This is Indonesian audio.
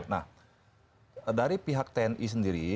nah dari pihak tni sendiri